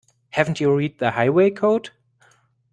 Haven't you read the Highway Code?